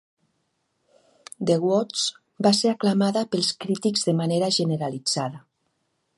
"The Woods" va ser aclamada pels crítics de manera generalitzada.